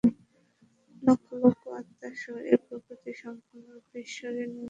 লক্ষ লক্ষ আত্মাসহ এই প্রকৃতি সম্পূর্ণরূপে ঈশ্বরের নিয়ন্ত্রণাধীন।